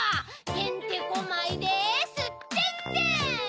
てんてこまいですってんてん。